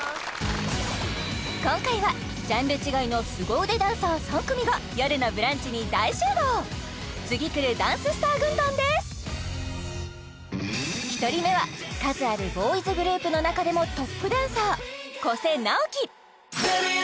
今回はジャンル違いの凄腕ダンサー３組が「よるのブランチ」に大集合次くるダンススター軍団です１人目は数あるボーイズグループの中でもトップダンサー古瀬直輝